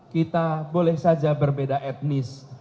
kita boleh saja berbeda etnis